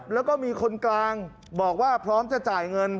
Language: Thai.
แล้วก็มีคนกลางบอกว่าพร้อมจะจ่ายเงิน